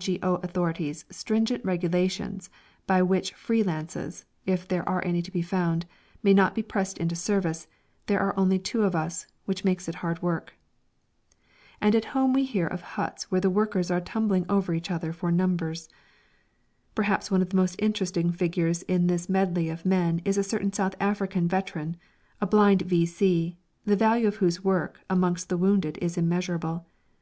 G.O. authorities' stringent regulations by which free lances (if there are any to be found) may not be pressed into service, there are only two of us, which makes it hard work. And at home we hear of huts where the workers are tumbling over each other for numbers! Perhaps one of the most interesting figures in this medley of men is a certain South African veteran, a blind V.C., the value of whose work amongst the wounded is immeasurable.